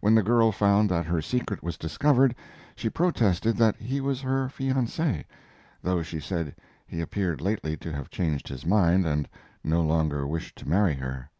When the girl found that her secret was discovered, she protested that he was her fiance, though she said he appeared lately to have changed his mind and no longer wished to marry her.